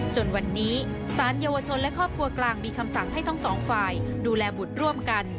จนวันนี้สารเยาวชนและครอบครัวกลางมีคำสั่งให้ทั้งสองฝ่ายดูแลบุตรร่วมกัน